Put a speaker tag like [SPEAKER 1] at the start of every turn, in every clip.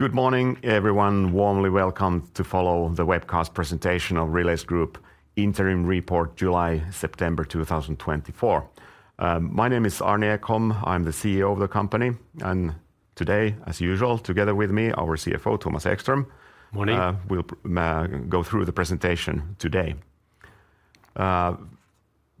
[SPEAKER 1] Good morning, everyone. Warmly welcome to follow the webcast presentation of Relais Group Interim Report, July-September 2024. My name is Arni Ekholm. I'm the CEO of the company. And today, as usual, together with me, our CFO, Thomas Ekström.
[SPEAKER 2] Morning.
[SPEAKER 1] We'll go through the presentation today.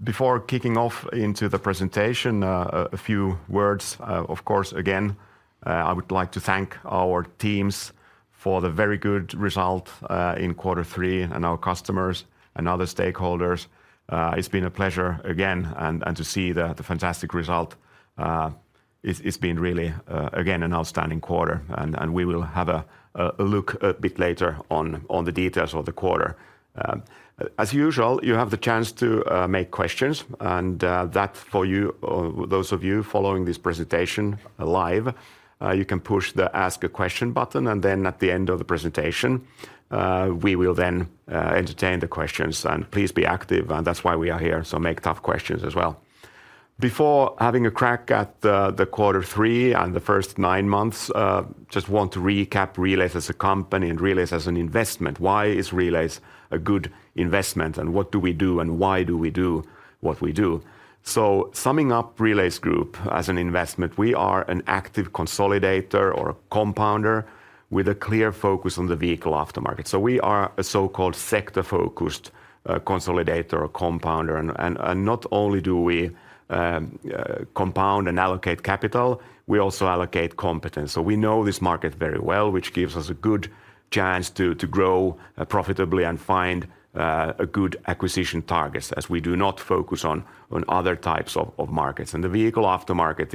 [SPEAKER 1] Before kicking off into the presentation, a few words. Of course, again, I would like to thank our teams for the very good result in Quarter Three and our customers and other stakeholders. It's been a pleasure again to see the fantastic result. It's been really, again, an outstanding quarter, and we will have a look a bit later on the details of the quarter. As usual, you have the chance to make questions, and that, for you, those of you following this presentation live, you can push the Ask a Question button, and then at the end of the presentation, we will then entertain the questions, and please be active, and that's why we are here, so make tough questions as well. Before having a crack at the Quarter Three and the first nine months, I just want to recap Relais as a company and Relais as an investment. Why is Relais a good investment? And what do we do? And why do we do what we do? So summing up Relais Group as an investment, we are an active consolidator or a compounder with a clear focus on the vehicle aftermarket. So we are a so-called sector-focused consolidator or compounder. And not only do we compound and allocate capital, we also allocate competence. So we know this market very well, which gives us a good chance to grow profitably and find good acquisition targets, as we do not focus on other types of markets. And the vehicle aftermarket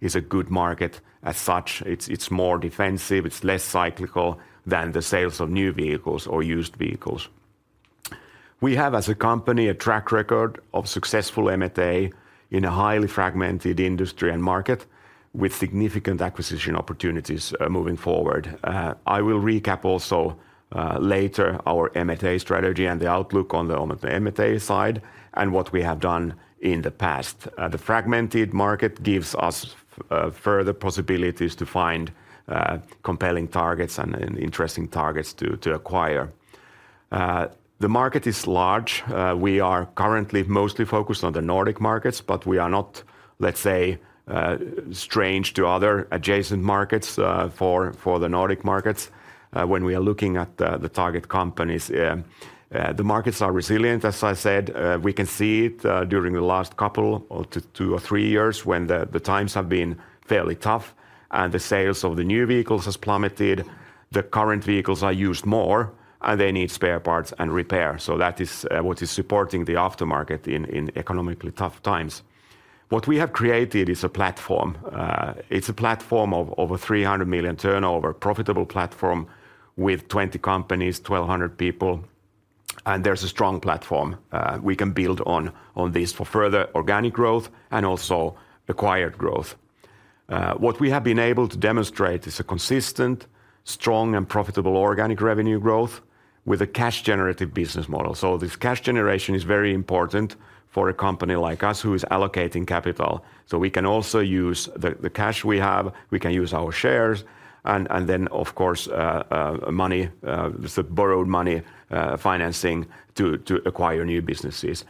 [SPEAKER 1] is a good market as such. It's more defensive. It's less cyclical than the sales of new vehicles or used vehicles. We have, as a company, a track record of successful M&A in a highly fragmented industry and market with significant acquisition opportunities moving forward. I will recap also later our M&A strategy and the outlook on the M&A side and what we have done in the past. The fragmented market gives us further possibilities to find compelling targets and interesting targets to acquire. The market is large. We are currently mostly focused on the Nordic markets, but we are not, let's say, strange to other adjacent markets for the Nordic markets when we are looking at the target companies. The markets are resilient, as I said. We can see it during the last couple of two or three years when the times have been fairly tough and the sales of the new vehicles have plummeted. The current vehicles are used more, and they need spare parts and repair. So that is what is supporting the aftermarket in economically tough times. What we have created is a platform. It's a platform of over 300 million turnover, a profitable platform with 20 companies, 1,200 people. And there's a strong platform we can build on this for further organic growth and also acquired growth. What we have been able to demonstrate is a consistent, strong, and profitable organic revenue growth with a cash-generative business model. So this cash generation is very important for a company like us who is allocating capital. So we can also use the cash we have. We can use our shares. And then, of course, money, borrowed money financing to acquire new businesses.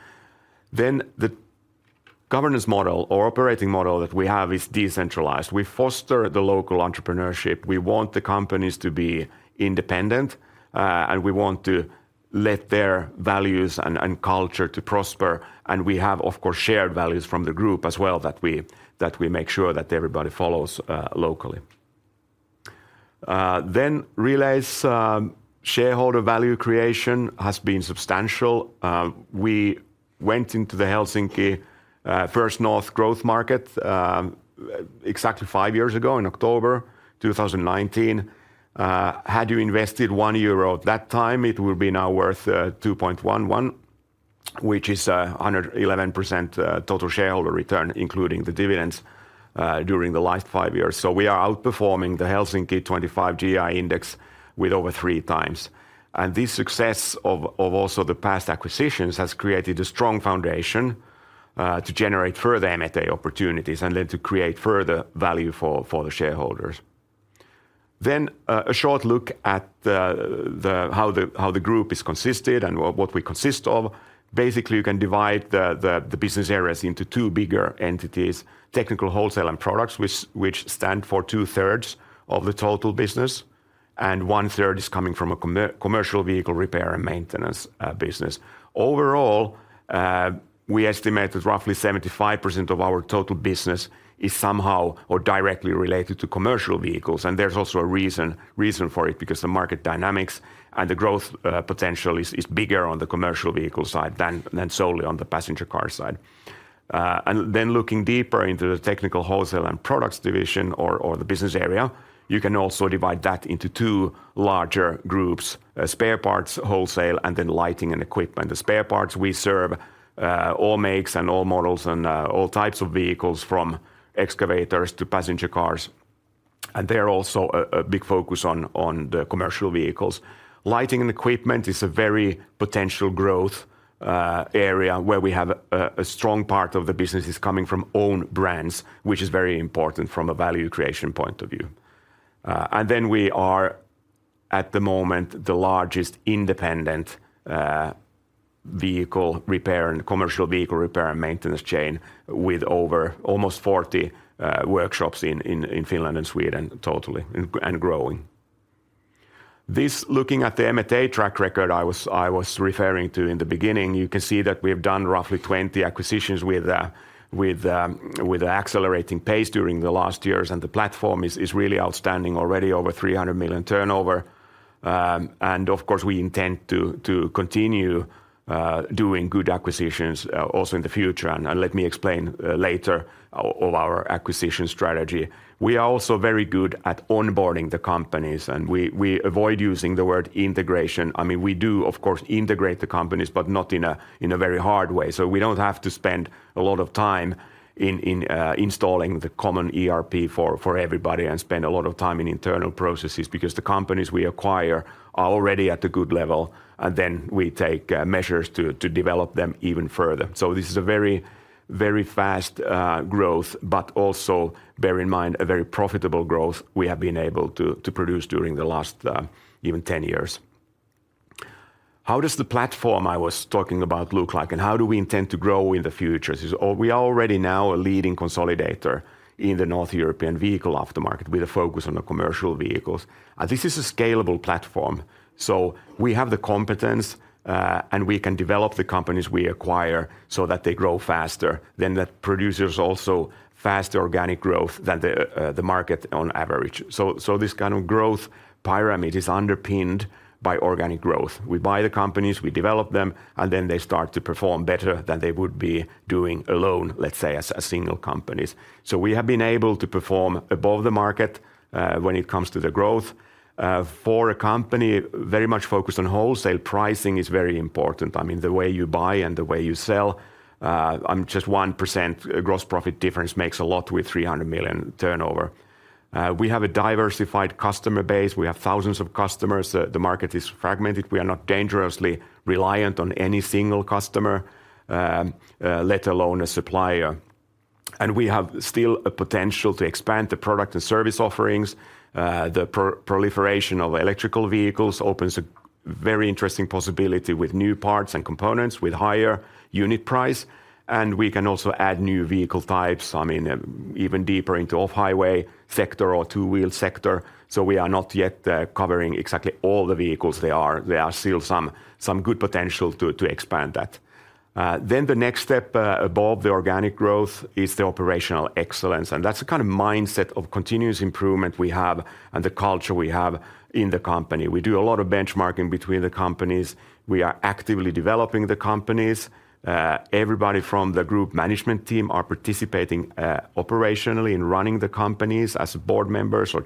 [SPEAKER 1] Then the governance model or operating model that we have is decentralized. We foster the local entrepreneurship. We want the companies to be independent, and we want to let their values and culture prosper. And we have, of course, shared values from the group as well that we make sure that everybody follows locally. Then Relais Group's shareholder value creation has been substantial. We went into the Helsinki First North Growth Market exactly five years ago in October 2019. Had you invested 1 euro at that time, it would now be worth 2.11, which is 111% total shareholder return, including the dividends during the last five years. So we are outperforming the Helsinki 25 GI index with over three times. And this success of also the past acquisitions has created a strong foundation to generate further M&A opportunities and then to create further value for the shareholders. Then a short look at how the group is consisted and what we consist of. Basically, you can divide the business areas into two bigger entities, technical wholesale and products, which stand for two-thirds of the total business. And one-third is coming from a commercial vehicle repair and maintenance business. Overall, we estimate that roughly 75% of our total business is somehow or directly related to commercial vehicles. And there's also a reason for it because the market dynamics and the growth potential is bigger on the commercial vehicle side than solely on the passenger car side. And then looking deeper into the technical wholesale and products division or the business area, you can also divide that into two larger groups: spare parts, wholesale, and then lighting and equipment. The spare parts we serve all makes and all models and all types of vehicles from excavators to passenger cars. And there are also a big focus on the commercial vehicles. Lighting and equipment is a very potential growth area where we have a strong part of the business is coming from own brands, which is very important from a value creation point of view. And then we are at the moment the largest independent vehicle repair and commercial vehicle repair and maintenance chain with over almost 40 workshops in Finland and Sweden totally and growing. Looking at the M&A track record I was referring to in the beginning, you can see that we have done roughly 20 acquisitions with an accelerating pace during the last years. And the platform is really outstanding already, over 300 million turnover. And of course, we intend to continue doing good acquisitions also in the future. And let me explain later of our acquisition strategy. We are also very good at onboarding the companies. And we avoid using the word integration. I mean, we do, of course, integrate the companies, but not in a very hard way. So we don't have to spend a lot of time in installing the common ERP for everybody and spend a lot of time in internal processes because the companies we acquire are already at a good level. And then we take measures to develop them even further. So this is a very fast growth, but also, bear in mind, a very profitable growth we have been able to produce during the last even 10 years. How does the platform I was talking about look like? And how do we intend to grow in the future? We are already now a leading consolidator in the North European vehicle aftermarket with a focus on the commercial vehicles. And this is a scalable platform. So we have the competence, and we can develop the companies we acquire so that they grow faster. Then that produces also faster organic growth than the market on average. So this kind of growth pyramid is underpinned by organic growth. We buy the companies, we develop them, and then they start to perform better than they would be doing alone, let's say, as single companies. So we have been able to perform above the market when it comes to the growth. For a company very much focused on wholesale, pricing is very important. I mean, the way you buy and the way you sell, I'm just 1% gross profit difference makes a lot with 300 million turnover. We have a diversified customer base. We have thousands of customers. The market is fragmented. We are not dangerously reliant on any single customer, let alone a supplier. We have still a potential to expand the product and service offerings. The proliferation of electric vehicles opens a very interesting possibility with new parts and components with higher unit price. We can also add new vehicle types, I mean, even deeper into off-highway sector or two-wheel sector. We are not yet covering exactly all the vehicles. There are still some good potential to expand that. The next step above the organic growth is the operational excellence. That's the kind of mindset of continuous improvement we have and the culture we have in the company. We do a lot of benchmarking between the companies. We are actively developing the companies. Everybody from the group management team are participating operationally in running the companies as board members or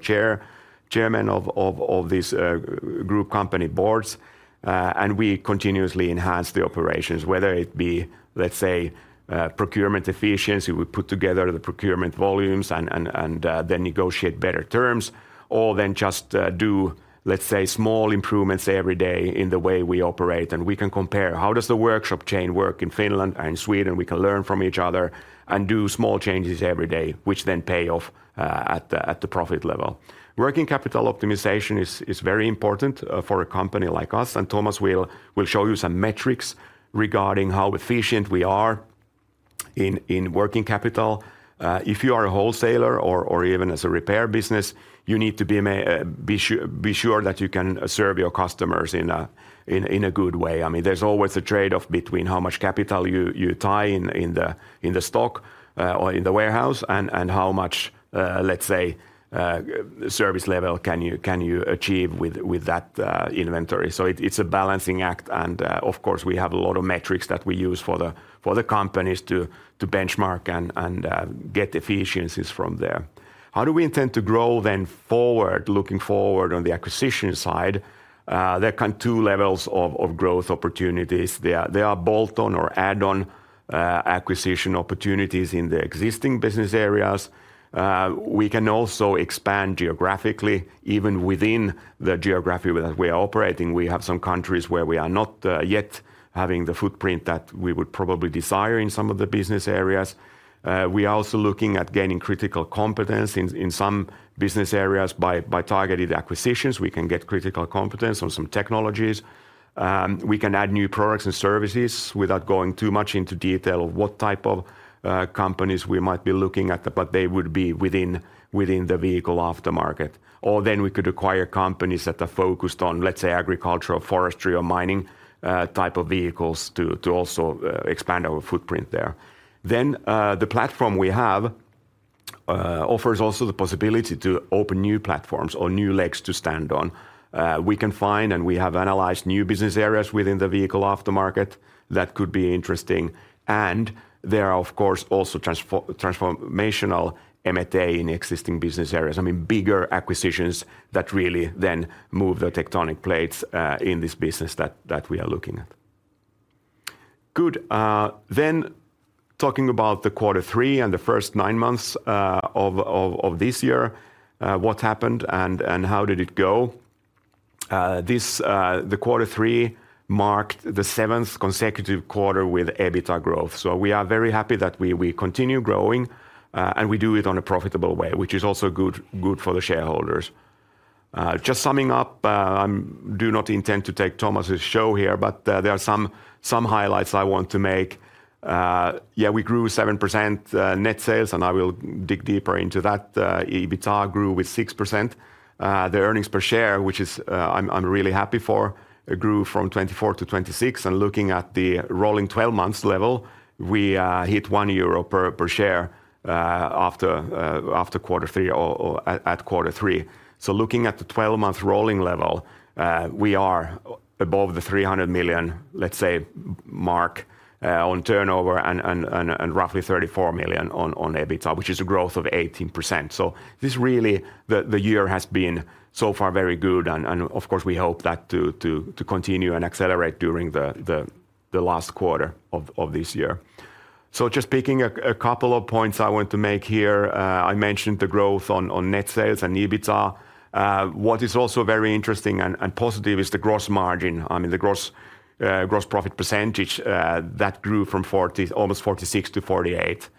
[SPEAKER 1] chairmen of these group company boards. We continuously enhance the operations, whether it be, let's say, procurement efficiency. We put together the procurement volumes and then negotiate better terms or then just do, let's say, small improvements every day in the way we operate. We can compare how does the workshop chain work in Finland and Sweden. We can learn from each other and do small changes every day, which then pay off at the profit level. Working capital optimization is very important for a company like us. Thomas will show you some metrics regarding how efficient we are in working capital. If you are a wholesaler or even as a repair business, you need to be sure that you can serve your customers in a good way. I mean, there's always a trade-off between how much capital you tie in the stock or in the warehouse and how much, let's say, service level can you achieve with that inventory. So it's a balancing act. And of course, we have a lot of metrics that we use for the companies to benchmark and get efficiencies from there. How do we intend to grow then forward, looking forward on the acquisition side? There are kind of two levels of growth opportunities. There are bolt-on or add-on acquisition opportunities in the existing business areas. We can also expand geographically, even within the geography that we are operating. We have some countries where we are not yet having the footprint that we would probably desire in some of the business areas. We are also looking at gaining critical competence in some business areas by targeted acquisitions. We can get critical competence on some technologies. We can add new products and services without going too much into detail of what type of companies we might be looking at, but they would be within the vehicle aftermarket, or then we could acquire companies that are focused on, let's say, agricultural, forestry, or mining type of vehicles to also expand our footprint there, then the platform we have offers also the possibility to open new platforms or new legs to stand on. We can find and we have analyzed new business areas within the vehicle aftermarket that could be interesting, and there are, of course, also transformational M&A in existing business areas, I mean, bigger acquisitions that really then move the tectonic plates in this business that we are looking at.
[SPEAKER 2] Good.
[SPEAKER 1] Then, talking about quarter three and the first nine months of this year, what happened and how did it go? Quarter three marked the seventh consecutive quarter with EBITDA growth. So we are very happy that we continue growing and we do it in a profitable way, which is also good for the shareholders. Just summing up, I do not intend to take Thomas's show here, but there are some highlights I want to make. Yeah, we grew 7% net sales, and I will dig deeper into that. EBITDA grew with 6%. The earnings per share, which I'm really happy for, grew from 24 to 26. And looking at the rolling 12 months level, we hit 1 euro per share after quarter three or at quarter three. Looking at the 12-month rolling level, we are above the 300 million, let's say, mark on turnover and roughly 34 million on EBITDA, which is a growth of 18%. This really, the year has been so far very good. Of course, we hope that to continue and accelerate during the last quarter of this year. Just picking a couple of points I want to make here. I mentioned the growth on net sales and EBITDA. What is also very interesting and positive is the gross margin. I mean, the gross profit percentage that grew from almost 46% to 48%.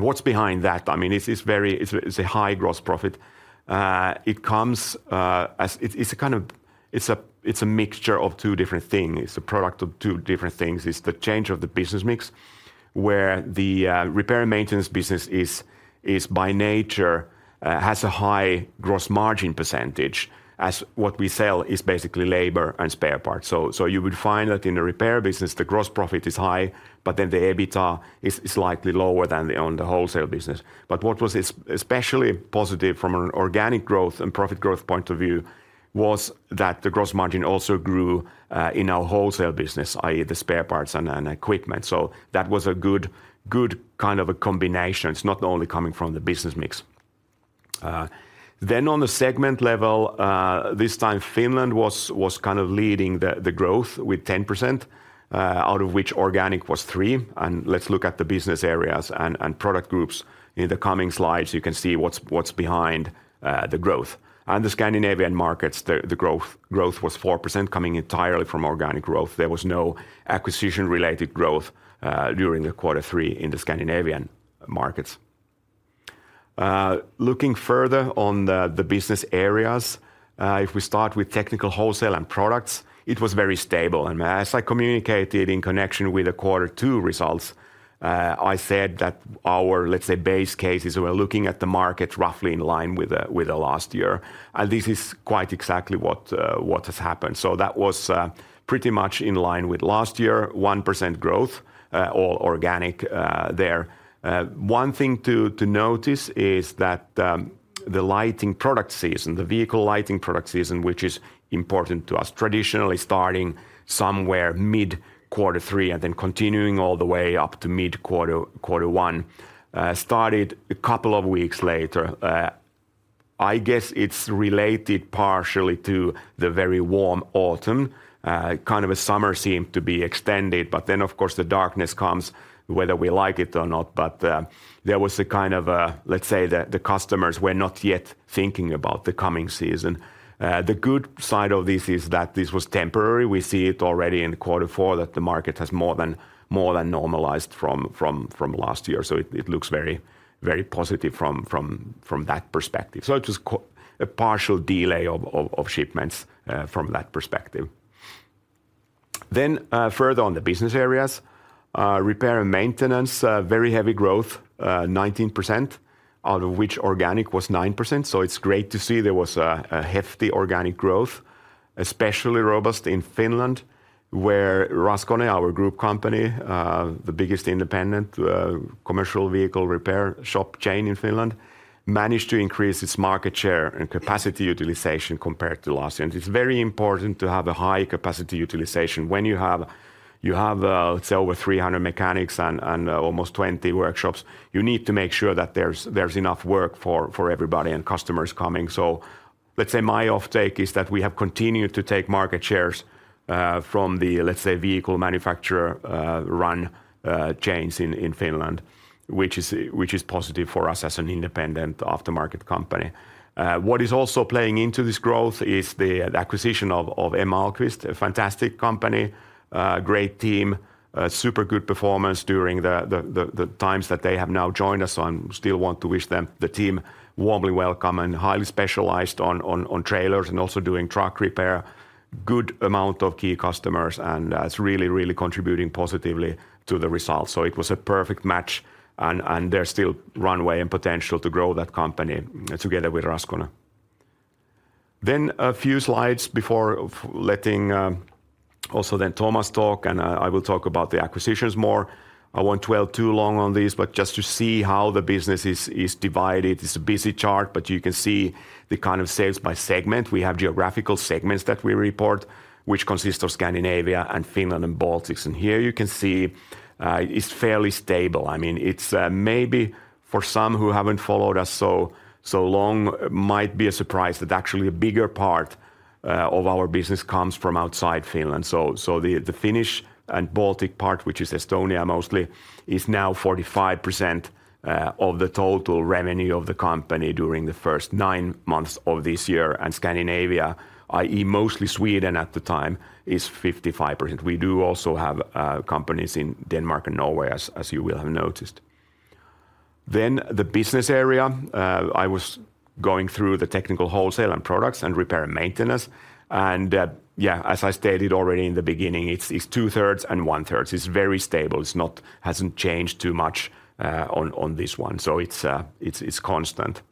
[SPEAKER 1] What's behind that? I mean, it's a high gross profit. It comes as it's a kind of, it's a mixture of two different things. It's a product of two different things. It's the change of the business mix where the repair and maintenance business is by nature has a high gross margin percentage as what we sell is basically labor and spare parts, so you would find that in the repair business, the gross profit is high, but then the EBITDA is slightly lower than on the wholesale business, but what was especially positive from an organic growth and profit growth point of view was that the gross margin also grew in our wholesale business, i.e., the spare parts and equipment, so that was a good kind of a combination. It's not only coming from the business mix, then on the segment level, this time Finland was kind of leading the growth with 10%, out of which organic was 3%, and let's look at the business areas and product groups. In the coming slides, you can see what's behind the growth. The Scandinavian markets, the growth was 4% coming entirely from organic growth. There was no acquisition-related growth during the quarter three in the Scandinavian markets. Looking further on the business areas, if we start with technical wholesale and products, it was very stable. As I communicated in connection with the quarter two results, I said that our, let's say, base cases were looking at the market roughly in line with the last year. This is quite exactly what has happened. That was pretty much in line with last year, 1% growth, all organic there. One thing to notice is that the lighting product season, the vehicle lighting product season, which is important to us, traditionally starting somewhere mid-quarter three and then continuing all the way up to mid-quarter one, started a couple of weeks later. I guess it's related partially to the very warm autumn. Kind of a summer seemed to be extended, but then of course the darkness comes, whether we like it or not. But there was a kind of, let's say, the customers were not yet thinking about the coming season. The good side of this is that this was temporary. We see it already in quarter four that the market has more than normalized from last year. So it looks very positive from that perspective. So it was a partial delay of shipments from that perspective. Then further on the business areas, repair and maintenance, very heavy growth, 19%, out of which organic was 9%. So it's great to see there was a hefty organic growth, especially robust in Finland where Raskone, our group company, the biggest independent commercial vehicle repair shop chain in Finland, managed to increase its market share and capacity utilization compared to last year. It's very important to have a high capacity utilization. When you have, let's say, over 300 mechanics and almost 20 workshops, you need to make sure that there's enough work for everybody and customers coming. So let's say my take is that we have continued to take market shares from the, let's say, vehicle manufacturer run chains in Finland, which is positive for us as an independent aftermarket company. What is also playing into this growth is the acquisition of E. Aalqvist, a fantastic company, great team, super good performance during the times that they have now joined us. So I still want to wish the team warmly welcome and highly specialized on trailers and also doing truck repair, good amount of key customers, and it's really, really contributing positively to the results. So it was a perfect match, and there's still runway and potential to grow that company together with Raskone. Then a few slides before letting also then Thomas talk, and I will talk about the acquisitions more. I won't dwell too long on these, but just to see how the business is divided. It's a busy chart, but you can see the kind of sales by segment. We have geographical segments that we report, which consist of Scandinavia and Finland and Baltics. And here you can see it's fairly stable. I mean, it's maybe for some who haven't followed us so long, might be a surprise that actually a bigger part of our business comes from outside Finland. So the Finnish and Baltic part, which is Estonia mostly, is now 45% of the total revenue of the company during the first nine months of this year. And Scandinavia, i.e., mostly Sweden at the time, is 55%. We do also have companies in Denmark and Norway, as you will have noticed. Then the business area, I was going through the technical wholesale and products and repair and maintenance. And yeah, as I stated already in the beginning, it's two-thirds and one-thirds. It's very stable. It hasn't changed too much on this one. So it's constant.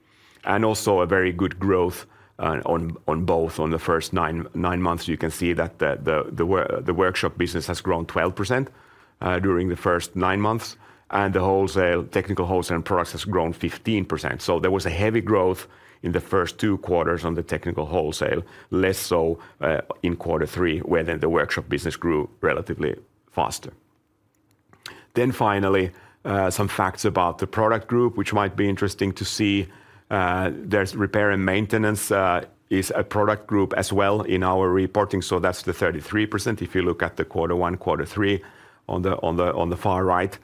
[SPEAKER 1] And also a very good growth on both. On the first nine months, you can see that the workshop business has grown 12% during the first nine months. And the wholesale, technical wholesale and products has grown 15%. So there was a heavy growth in the first two quarters on the technical wholesale, less so in quarter three, where then the workshop business grew relatively faster. Then finally, some facts about the product group, which might be interesting to see. There's repair and maintenance is a product group as well in our reporting. So that's the 33%. If you look at the quarter one, quarter three on the far right,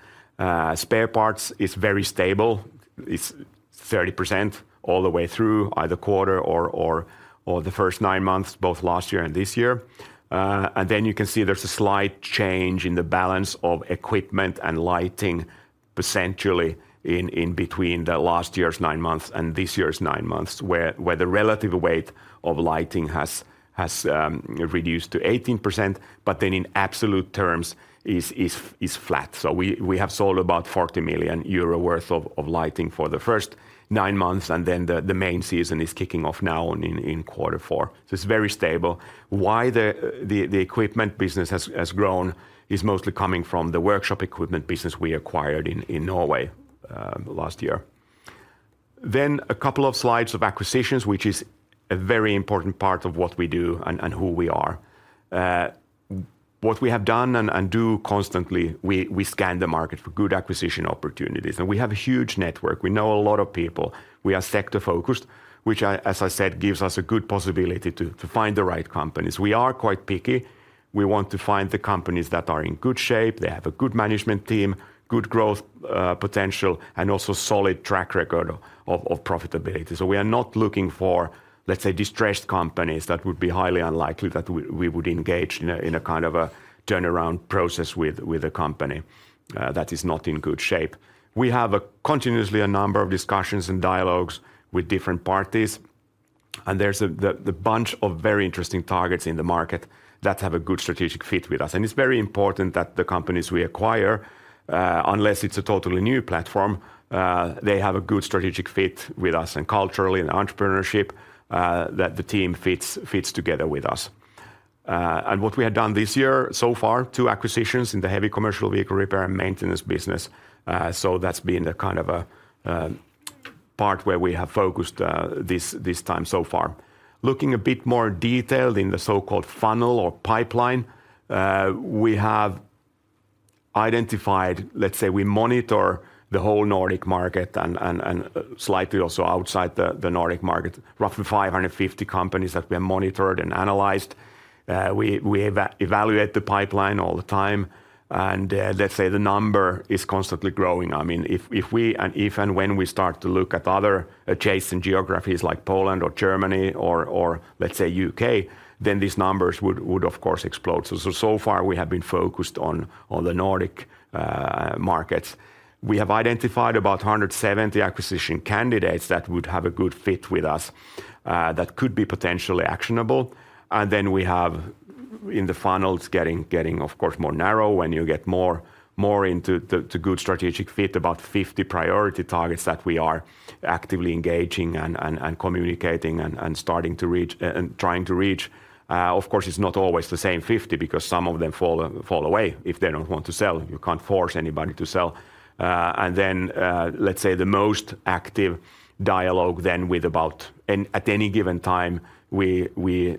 [SPEAKER 1] spare parts is very stable. It's 30% all the way through either quarter or the first nine months, both last year and this year. And then you can see there's a slight change in the balance of equipment and lighting percentually in between the last year's nine months and this year's nine months, where the relative weight of lighting has reduced to 18%, but then in absolute terms is flat. So we have sold about 40 million euro worth of lighting for the first nine months, and then the main season is kicking off now in quarter four. So it's very stable. Why the equipment business has grown is mostly coming from the workshop equipment business we acquired in Norway last year. Then a couple of slides of acquisitions, which is a very important part of what we do and who we are. What we have done and do constantly, we scan the market for good acquisition opportunities. And we have a huge network. We know a lot of people. We are sector-focused, which, as I said, gives us a good possibility to find the right companies. We are quite picky. We want to find the companies that are in good shape. They have a good management team, good growth potential, and also solid track record of profitability. We are not looking for, let's say, distressed companies. It would be highly unlikely that we would engage in a kind of a turnaround process with a company that is not in good shape. We have continuously a number of discussions and dialogues with different parties. There's a bunch of very interesting targets in the market that have a good strategic fit with us. It's very important that the companies we acquire, unless it's a totally new platform, they have a good strategic fit with us and culturally and entrepreneurship, that the team fits together with us. What we have done this year so far, two acquisitions in the heavy commercial vehicle repair and maintenance business. That's been the kind of a part where we have focused this time so far. Looking a bit more detailed in the so-called funnel or pipeline, we have identified, let's say, we monitor the whole Nordic market and slightly also outside the Nordic market, roughly 550 companies that we have monitored and analyzed. We evaluate the pipeline all the time. And let's say the number is constantly growing. I mean, if we and if and when we start to look at other adjacent geographies like Poland or Germany or, let's say, UK, then these numbers would, of course, explode. So so far we have been focused on the Nordic markets. We have identified about 170 acquisition candidates that would have a good fit with us that could be potentially actionable. Then we have in the funnels getting, of course, more narrow when you get more into the good strategic fit, about 50 priority targets that we are actively engaging and communicating and starting to reach and trying to reach. Of course, it's not always the same 50 because some of them fall away if they don't want to sell. You can't force anybody to sell. And then, let's say, the most active dialogue then with about at any given time, we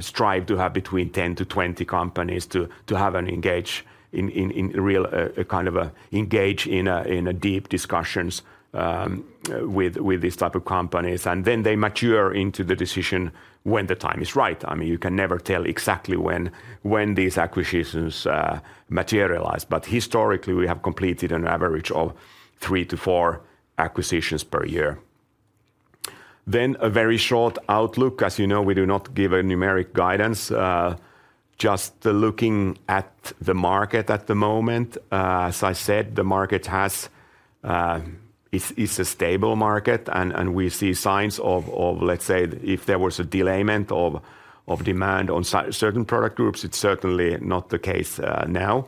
[SPEAKER 1] strive to have between 10-20 companies to have an engagement in real kind of deep discussions with this type of companies. And then they mature into the decision when the time is right. I mean, you can never tell exactly when these acquisitions materialize. But historically, we have completed an average of three to four acquisitions per year. Then a very short outlook. As you know, we do not give a numeric guidance. Just looking at the market at the moment, as I said, the market is a stable market, and we see signs of, let's say, if there was a delayment of demand on certain product groups, it's certainly not the case now,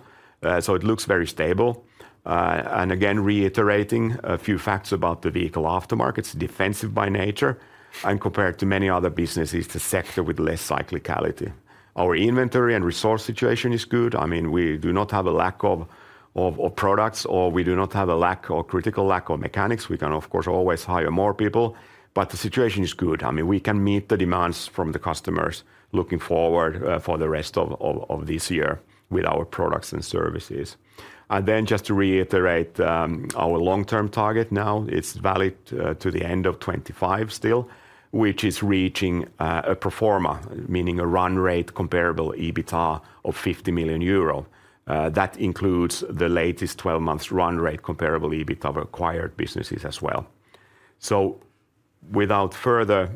[SPEAKER 1] so it looks very stable, and again, reiterating a few facts about the vehicle aftermarket, it's defensive by nature, and compared to many other businesses, it's a sector with less cyclicality. Our inventory and resource situation is good. I mean, we do not have a lack of products or we do not have a lack or critical lack of mechanics. We can, of course, always hire more people, but the situation is good. I mean, we can meet the demands from the customers looking forward for the rest of this year with our products and services. Then just to reiterate our long-term target now, it's valid to the end of 2025 still, which is reaching a pro forma, meaning a run rate comparable EBITDA of 50 million euro. That includes the latest 12-month run rate comparable EBITDA of acquired businesses as well. So without further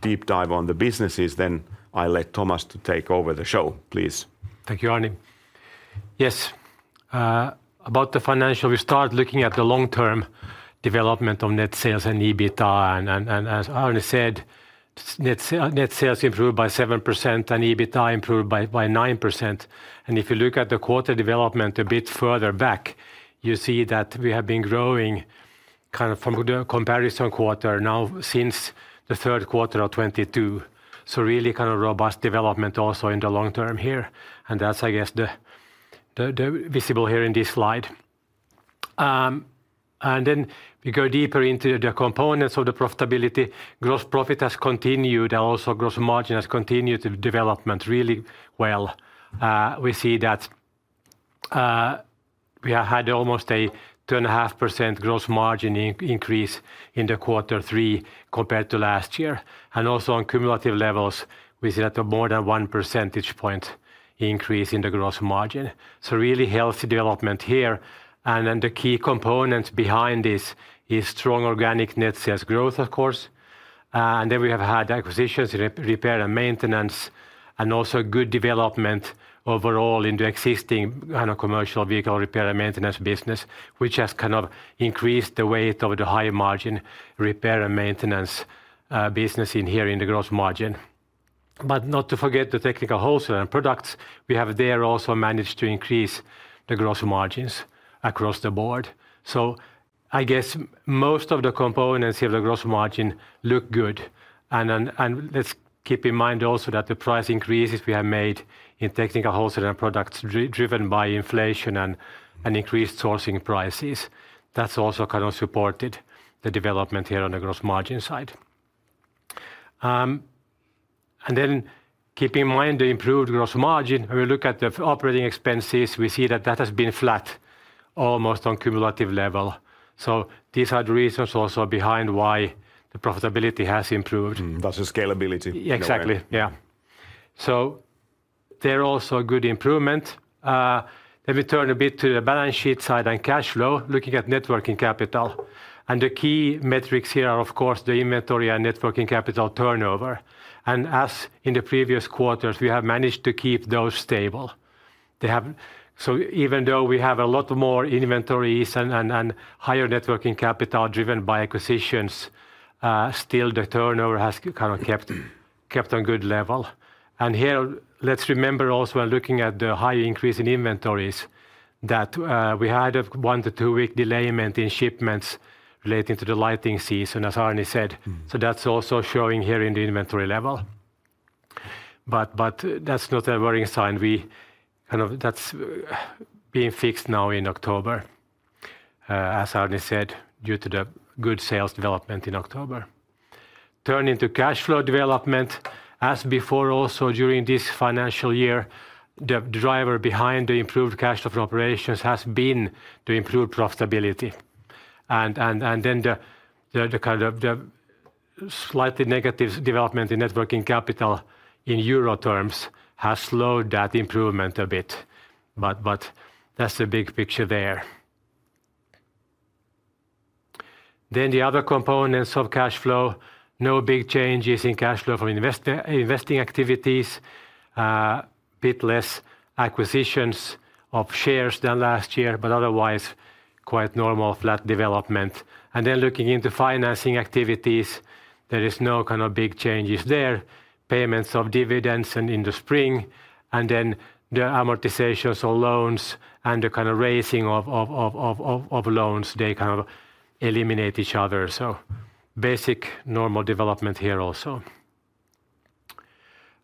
[SPEAKER 1] deep dive on the businesses, then I'll let Thomas to take over the show, please.
[SPEAKER 2] Thank you, Arni. Yes. About the financial, we start looking at the long-term development of net sales and EBITDA. And as Arni said, net sales improved by 7% and EBITDA improved by 9%. And if you look at the quarter development a bit further back, you see that we have been growing kind of from the comparison quarter now since the third quarter of 2022. So really kind of robust development also in the long term here. And that's, I guess, the visible here in this slide. And then we go deeper into the components of the profitability. Gross profit has continued and also gross margin has continued to development really well. We see that we have had almost a 2.5% gross margin increase in the quarter three compared to last year. And also on cumulative levels, we see that more than one percentage point increase in the gross margin. So really healthy development here. And then the key components behind this is strong organic net sales growth, of course. And then we have had acquisitions in repair and maintenance and also good development overall in the existing kind of commercial vehicle repair and maintenance business, which has kind of increased the weight of the high margin repair and maintenance business in here in the gross margin. But not to forget the technical wholesale and products, we have there also managed to increase the gross margins across the board. So I guess most of the components here of the gross margin look good. And let's keep in mind also that the price increases we have made in technical wholesale and products driven by inflation and increased sourcing prices. That's also kind of supported the development here on the gross margin side. And then keep in mind the improved gross margin. When we look at the operating expenses, we see that that has been flat almost on cumulative level. So these are the reasons also behind why the profitability has improved. That's the scalability. Exactly. Yeah. So there are also good improvements. Then we turn a bit to the balance sheet side and cash flow, looking at net working capital. The key metrics here are, of course, the inventory and net working capital turnover. As in the previous quarters, we have managed to keep those stable. Even though we have a lot more inventories and higher net working capital driven by acquisitions, still the turnover has kind of kept on good level. Here, let's remember also when looking at the high increase in inventories that we had a one- to two-week delay in shipments relating to the lighting season, as Arni said. That's also showing here in the inventory level. But that's not a worrying sign. That's being fixed now in October, as Arni said, due to the good sales development in October. Turning to cash flow development, as before also during this financial year, the driver behind the improved cash flow from operations has been the improved profitability. And then the kind of slightly negative development in net working capital in euro terms has slowed that improvement a bit. But that's the big picture there. Then the other components of cash flow, no big changes in cash flow from investing activities, a bit less acquisitions of shares than last year, but otherwise quite normal flat development. And then looking into financing activities, there is no kind of big changes there. Payments of dividends in the spring. And then the amortization of loans and the kind of raising of loans, they kind of eliminate each other. So basic normal development here also.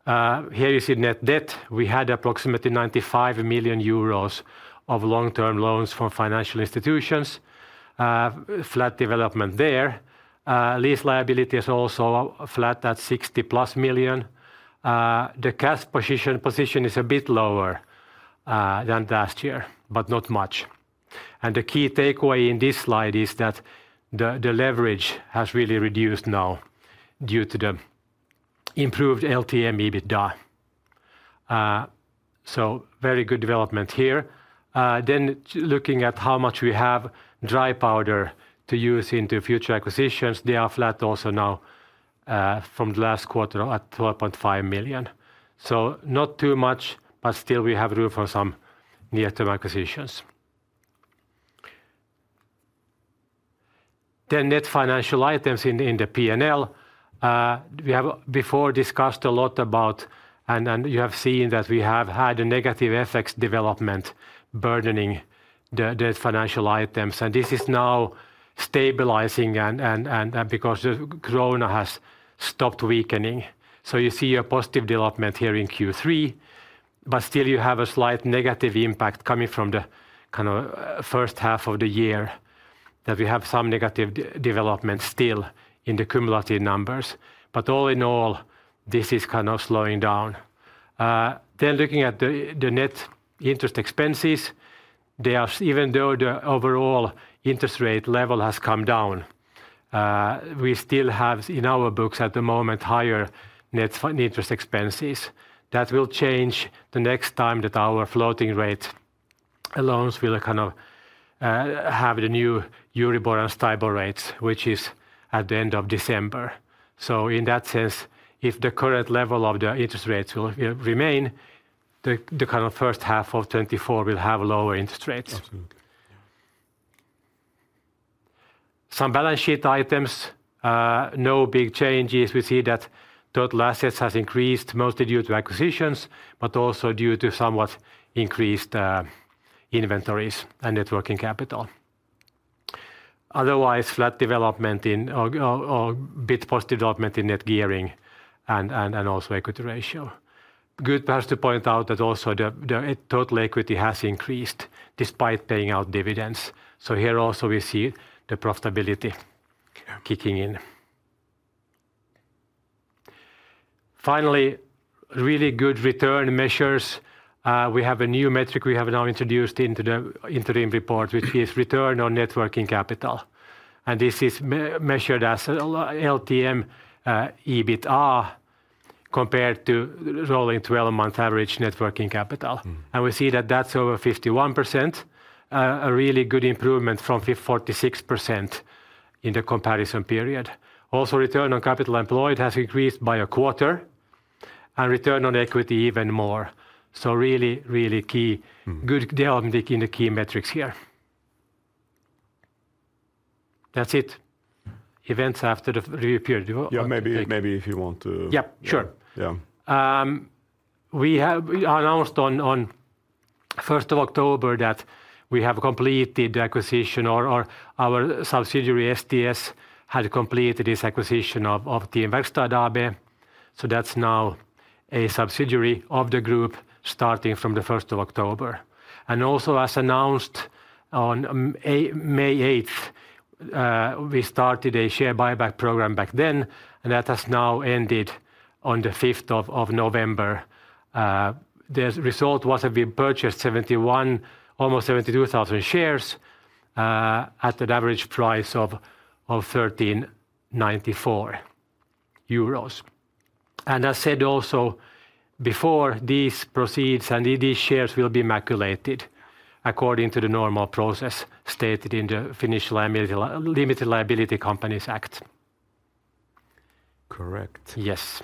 [SPEAKER 2] Here you see net debt. We had approximately 95 million euros of long-term loans from financial institutions. Flat development there. Lease liability is also flat at 60 plus million. The cash position is a bit lower than last year, but not much. The key takeaway in this slide is that the leverage has really reduced now due to the improved LTM EBITDA. Very good development here. Looking at how much we have dry powder to use into future acquisitions, they are flat also now from the last quarter at 12.5 million. Not too much, but still we have room for some near-term acquisitions. Net financial items in the P&L. We have before discussed a lot about, and you have seen that we have had a negative FX development burdening the financial items. This is now stabilizing because the krona has stopped weakening. You see a positive development here in Q3. Still you have a slight negative impact coming from the kind of first half of the year that we have some negative development still in the cumulative numbers. But all in all, this is kind of slowing down. Then looking at the net interest expenses, even though the overall interest rate level has come down, we still have in our books at the moment higher net interest expenses. That will change the next time that our floating rate loans will kind of have the new Euribor and STIBOR rates, which is at the end of December. So in that sense, if the current level of the interest rates will remain, the kind of first half of 2024 will have lower interest rates. Some balance sheet items, no big changes. We see that total assets has increased mostly due to acquisitions, but also due to somewhat increased inventories and net working capital. Otherwise, flat development in or bit positive development in net gearing and also equity ratio. Good, perhaps to point out that also the total equity has increased despite paying out dividends. So here also we see the profitability kicking in. Finally, really good return measures. We have a new metric we have now introduced into the interim report, which is return on net working capital. And this is measured as LTM EBITDA compared to rolling 12-month average net working capital. And we see that that's over 51%, a really good improvement from 46% in the comparison period. Also, return on capital employed has increased by a quarter and return on equity even more. So really, really key, good development in the key metrics here. That's it. Events after the review period.
[SPEAKER 1] Yeah, maybe if you want to.
[SPEAKER 2] Yeah, sure. We announced on 1st of October that we have completed the acquisition or our subsidiary STS had completed this acquisition of Team Verkstad AB. So that's now a subsidiary of the group starting from the 1st of October. And also, as announced on May 8th, we started a share buyback program back then, and that has now ended on the 5th of November. The result was that we purchased almost 72,000 shares at an average price of 1,394 euros. And as said also before, these proceeds and these shares will be cancelled according to the normal process stated in the Finnish Limited Liability Companies Act.
[SPEAKER 1] Correct.
[SPEAKER 2] Yes.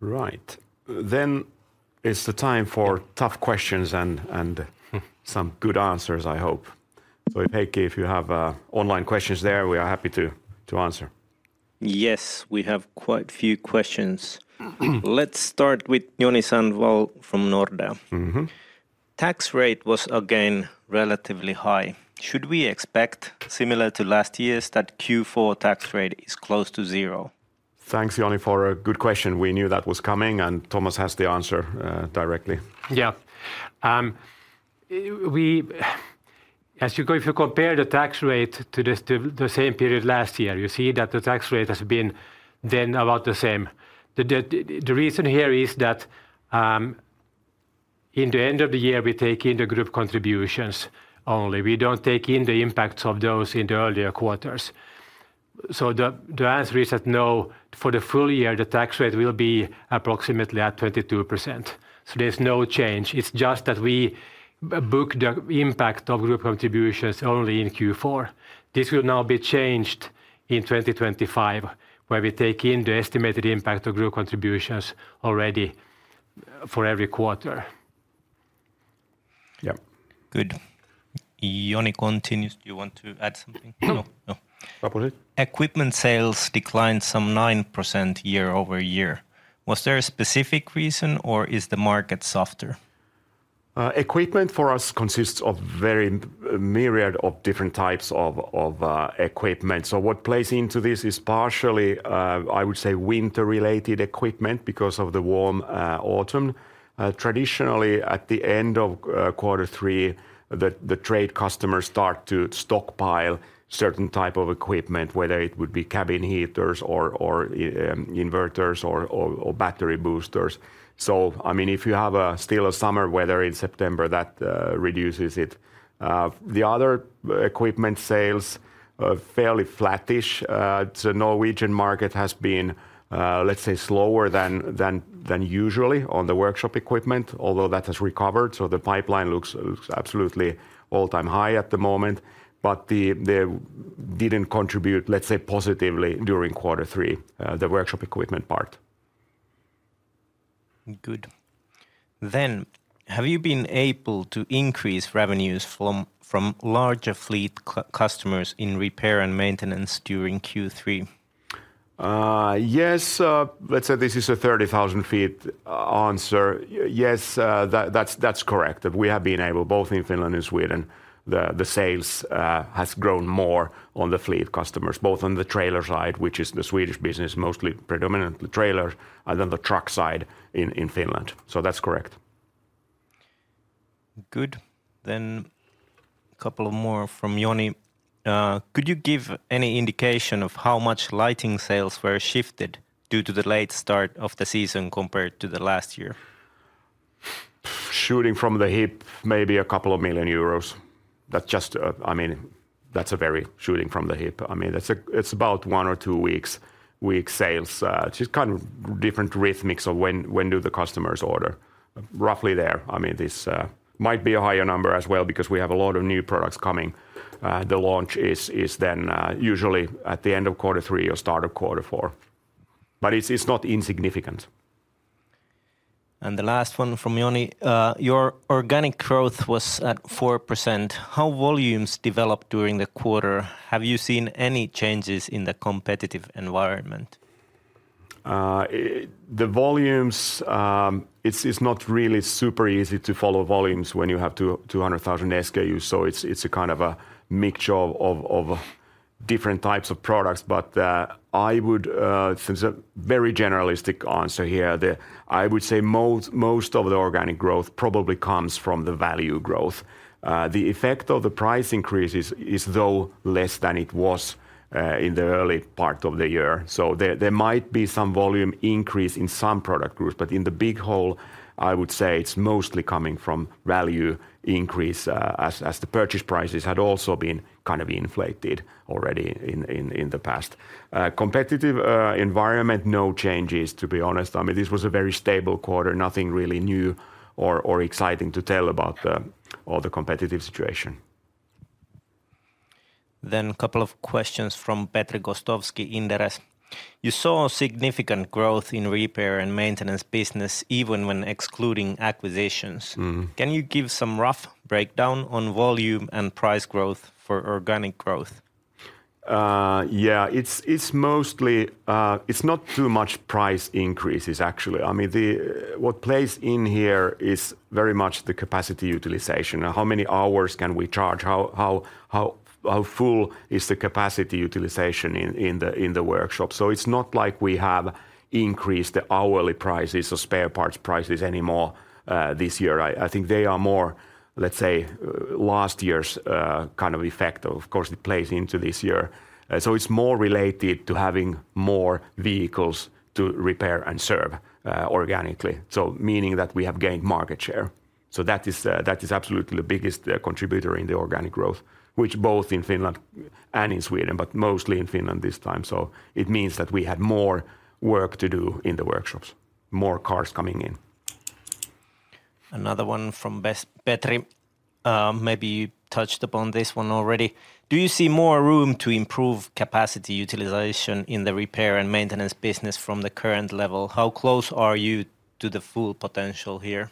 [SPEAKER 1] Right. Then it's the time for tough questions and some good answers, I hope. So Heikki, if you have online questions there, we are happy to answer.
[SPEAKER 3] Yes, we have quite a few questions. Let's start with Joni Sandvall from Nordea.
[SPEAKER 4] Tax rate was again relatively high. Should we expect, similar to last year, that Q4 tax rate is close to zero?
[SPEAKER 1] Thanks, Joni, for a good question. We knew that was coming, and Thomas has the answer directly.
[SPEAKER 2] Yeah. As you compare the tax rate to the same period last year, you see that the tax rate has been then about the same. The reason here is that in the end of the year, we take in the group contributions only. We don't take in the impacts of those in the earlier quarters. So the answer is that no, for the full year, the tax rate will be approximately at 22%. So there's no change. It's just that we book the impact of group contributions only in Q4. This will now be changed in 2025, where we take in the estimated impact of group contributions already for every quarter. Yeah.
[SPEAKER 1] Good.
[SPEAKER 3] Joni continues. Do you want to add something? No. No. Proposed?
[SPEAKER 4] Equipment sales declined some 9% year over year. Was there a specific reason or is the market softer?
[SPEAKER 1] Equipment for us consists of a very myriad of different types of equipment. So what plays into this is partially, I would say, winter-related equipment because of the warm autumn. Traditionally, at the end of quarter three, the trade customers start to stockpile certain types of equipment, whether it would be cabin heaters or inverters or battery boosters. So I mean, if you have still a summer weather in September, that reduces it. The other equipment sales are fairly flattish. The Norwegian market has been, let's say, slower than usual on the workshop equipment, although that has recovered. So the pipeline looks absolutely all-time high at the moment. But they didn't contribute, let's say, positively during quarter three, the workshop equipment part.
[SPEAKER 4] Good. Then, have you been able to increase revenues from larger fleet customers in repair and maintenance during Q3?
[SPEAKER 1] Yes. Let's say this is a 30,000 feet answer. Yes, that's correct. We have been able, both in Finland and Sweden, the sales have grown more on the fleet customers, both on the trailer side, which is the Swedish business, mostly predominantly trailers, and then the truck side in Finland. So that's correct.
[SPEAKER 3] Good. Then a couple more from Joni.
[SPEAKER 4] Could you give any indication of how much lighting sales were shifted due to the late start of the season compared to the last year?
[SPEAKER 1] Shooting from the hip, maybe a couple of million EUR. I mean, that's a very shooting from the hip. I mean, it's about one or two weeks' sales. It's just kind of different rhythmics of when do the customers order. Roughly there. I mean, this might be a higher number as well because we have a lot of new products coming. The launch is then usually at the end of quarter three or start of quarter four. But it's not insignificant.
[SPEAKER 3] And the last one from Joni.
[SPEAKER 4] Your organic growth was at 4%. How volumes developed during the quarter? Have you seen any changes in the competitive environment?
[SPEAKER 1] The volumes, it's not really super easy to follow volumes when you have 200,000 SKUs. So it's a kind of a mixture of different types of products. But I would, since it's a very generalistic answer here, I would say most of the organic growth probably comes from the value growth. The effect of the price increase is though less than it was in the early part of the year. So there might be some volume increase in some product groups. But in the big whole, I would say it's mostly coming from value increase as the purchase prices had also been kind of inflated already in the past. Competitive environment, no changes, to be honest. I mean, this was a very stable quarter. Nothing really new or exciting to tell about all the competitive situation.
[SPEAKER 3] Then a couple of questions from Petri Gostowski at Inderes.
[SPEAKER 5] You saw significant growth in repair and maintenance business even when excluding acquisitions. Can you give some rough breakdown on volume and price growth for organic growth?
[SPEAKER 1] Yeah, it's not too much price increases, actually. I mean, what plays in here is very much the capacity utilization. How many hours can we charge? How full is the capacity utilization in the workshop? So it's not like we have increased the hourly prices or spare parts prices anymore this year. I think they are more, let's say, last year's kind of effect. Of course, it plays into this year. So it's more related to having more vehicles to repair and serve organically. So meaning that we have gained market share. So that is absolutely the biggest contributor in the organic growth, which both in Finland and in Sweden, but mostly in Finland this time. So it means that we had more work to do in the workshops, more cars coming in.
[SPEAKER 3] Another one from Petter. Maybe you touched upon this one already. Do you see more room to improve capacity utilization in the repair and maintenance business from the current level? How close are you to the full potential here?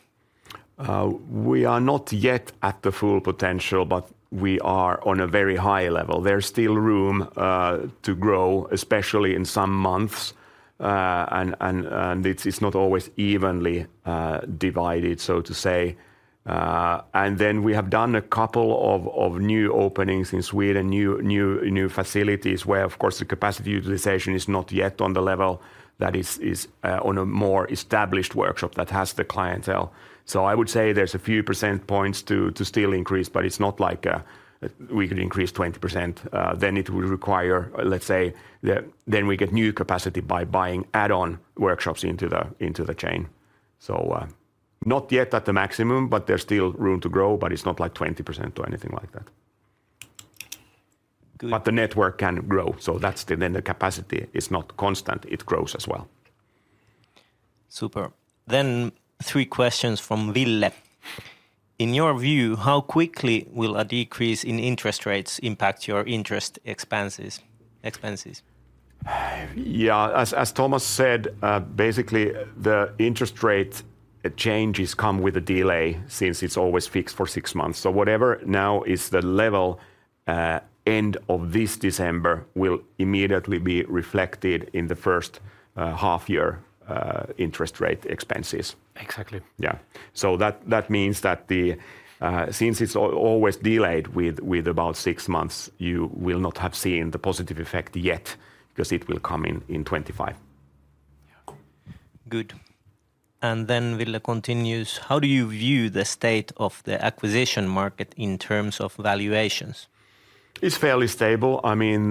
[SPEAKER 1] We are not yet at the full potential, but we are on a very high level. There's still room to grow, especially in some months. It's not always evenly divided, so to say. And then we have done a couple of new openings in Sweden, new facilities where, of course, the capacity utilization is not yet on the level that is on a more established workshop that has the clientele. So I would say there's a few percentage points to still increase, but it's not like we could increase 20%. Then it would require, let's say, then we get new capacity by buying add-on workshops into the chain. So not yet at the maximum, but there's still room to grow, but it's not like 20% or anything like that. But the network can grow. So that's then the capacity is not constant. It grows as well.
[SPEAKER 3] Super. Then three questions from Ville. In your view, how quickly will a decrease in interest rates impact your interest expenses?
[SPEAKER 1] Yeah, as Thomas said, basically the interest rate changes come with a delay since it's always fixed for six months. So whatever now is the level, end of this December will immediately be reflected in the first half year interest rate expenses.
[SPEAKER 2] Exactly.
[SPEAKER 1] Yeah. So that means that since it's always delayed with about six months, you will not have seen the positive effect yet because it will come in 2025.
[SPEAKER 3] Good. And then Ville continues. How do you view the state of the acquisition market in terms of valuations?
[SPEAKER 1] It's fairly stable. I mean,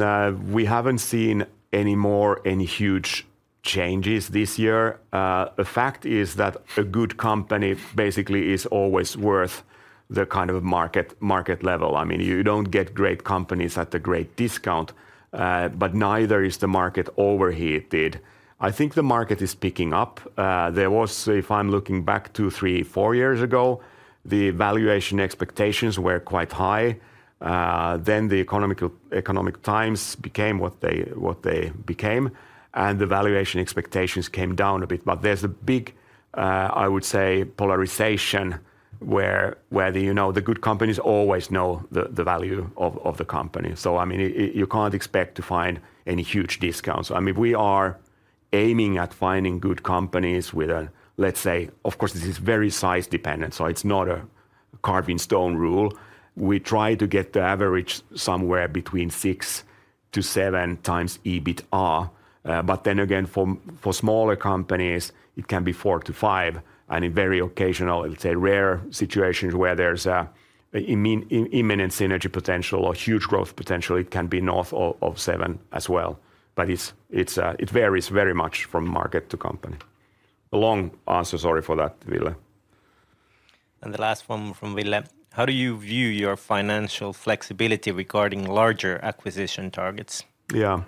[SPEAKER 1] we haven't seen any more huge changes this year. The fact is that a good company basically is always worth the kind of market level. I mean, you don't get great companies at a great discount, but neither is the market overheated. I think the market is picking up. There was, if I'm looking back two, three, four years ago, the valuation expectations were quite high. Then the economic times became what they became, and the valuation expectations came down a bit, but there's a big, I would say, polarization where the good companies always know the value of the company, so I mean, you can't expect to find any huge discounts. I mean, we are aiming at finding good companies with a, let's say, of course, this is very size dependent, so it's not a carved in stone rule. We try to get the average somewhere between six to seven times EBITDA. But then again, for smaller companies, it can be four to five, and in very occasional, I would say rare situations where there's an imminent synergy potential or huge growth potential, it can be north of seven as well. But it varies very much from market to company. Long answer, sorry for that, Ville.
[SPEAKER 3] And the last one from Ville. How do you view your financial flexibility regarding larger acquisition targets?
[SPEAKER 1] Yeah,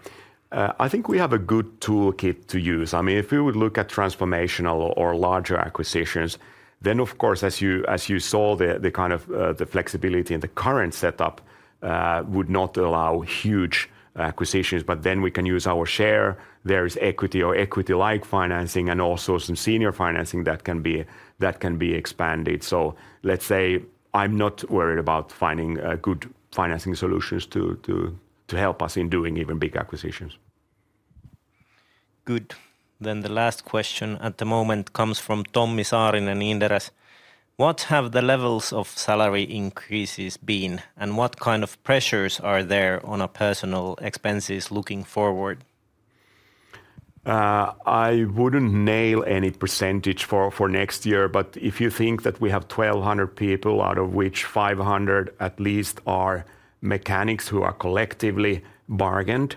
[SPEAKER 1] I think we have a good toolkit to use. I mean, if we would look at transformational or larger acquisitions, then of course, as you saw, the kind of the flexibility in the current setup would not allow huge acquisitions. But then we can use our share. There is equity or equity-like financing and also some senior financing that can be expanded. So let's say I'm not worried about finding good financing solutions to help us in doing even big acquisitions.
[SPEAKER 3] Good. Then the last question at the moment comes from Tommi Saarinen, Inderes.
[SPEAKER 6] What have the levels of salary increases been and what kind of pressures are there on personnel expenses looking forward?
[SPEAKER 1] I wouldn't nail any percentage for next year, but if you think that we have 1,200 people out of which 500 at least are mechanics who are collectively bargained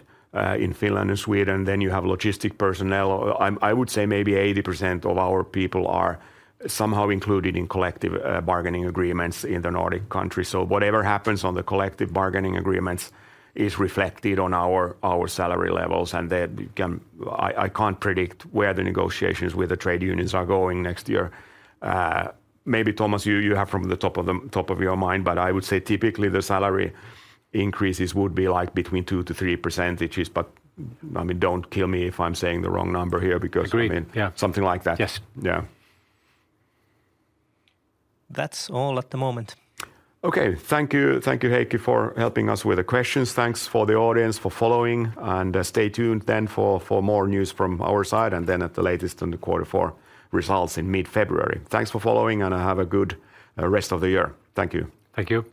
[SPEAKER 1] in Finland and Sweden, then you have logistic personnel. I would say maybe 80% of our people are somehow included in collective bargaining agreements in the Nordic countries. So whatever happens on the collective bargaining agreements is reflected on our salary levels. I can't predict where the negotiations with the trade unions are going next year. Maybe Thomas, you have from the top of your mind, but I would say typically the salary increases would be like between 2%-3%. But I mean, don't kill me if I'm saying the wrong number here because I mean, something like that.
[SPEAKER 2] Yes.
[SPEAKER 1] Yeah.
[SPEAKER 3] That's all at the moment.
[SPEAKER 1] Okay. Thank you, Heikki, for helping us with the questions. Thanks for the audience, for following. And stay tuned then for more news from our side and then at the latest in the quarter four results in mid-February. Thanks for following and have a good rest of the year.
[SPEAKER 3] Thank you.
[SPEAKER 2] Thank you.